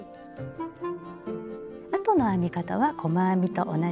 あとの編み方は細編みと同じです。